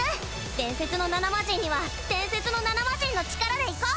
伝説の７マジンには伝説の７マジンの力でいこう！